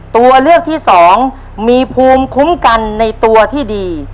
ตัวเลือกที่สองมีภูมิคุ้มกันในตัวที่ดี